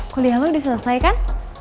kuliah lo udah selesai kan